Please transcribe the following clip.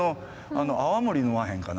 泡盛飲まへんかな。